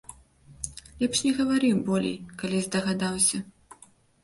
Лепш не гавары болей, калі здагадаўся.